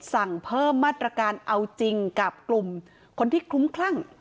สั่งเพิ่มมาตรการเอาจริงกับกลุ่มคนที่คลุ้มคลั่ง